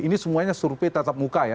ini semuanya survei tatap muka ya